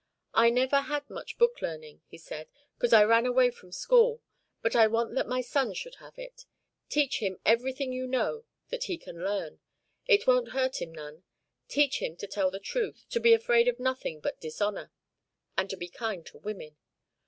"I never had much book learning," he said, "'cause I ran away from school, but I want that my son should have it. Teach him everything you know that he can learn; it won't hurt him none. Teach him to tell the truth, to be afraid of nothing but dishonour, and to be kind to women.